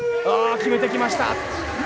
決めてきました。